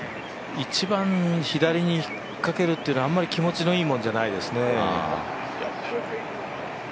一番左に引っかけるというのはあんまり気持ちのいいものじゃないですね。